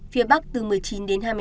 phía bắc từ một mươi chín đến hai mươi năm